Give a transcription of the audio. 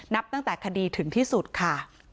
นับตั้งแต่คดีถึงที่สุดค่ะ